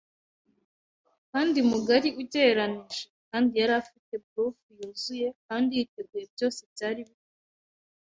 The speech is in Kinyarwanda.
kandi mugari ugereranije, kandi yari afite bluff, yuzuye-kandi-yiteguye, byose byari bikomeye